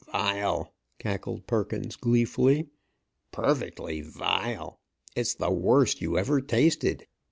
"Vile!" cackled Perkins, gleefully. "Perfectly vile! It is the worst you ever tasted.